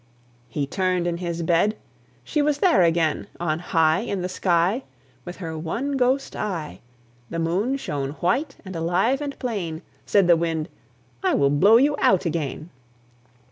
He turned in his bed; she was there again! On high In the sky, With her one ghost eye, The Moon shone white and alive and plain. Said the Wind, "I will blow you out again."